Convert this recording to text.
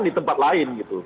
di tempat lain